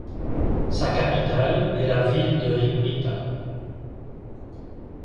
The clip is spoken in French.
Sa capitale est la ville de Rîbniţa.